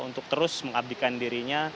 untuk terus mengabdikan dirinya